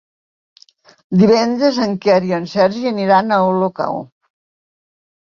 Divendres en Quer i en Sergi aniran a Olocau.